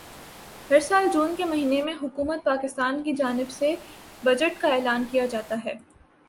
ہر سال جون کے مہینے میں حکومت پاکستان کی جانب سے بجٹ کا اعلان کیا جاتا ہے